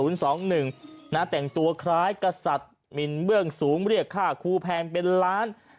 แจกตัวคล้ายกระสาทมินเบื้องสูงเรียกค่าคู่แพงเป็นล้าน